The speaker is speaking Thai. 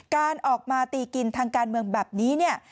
การออกมาตีกินทางการเมืองแบบนี้เนี่ย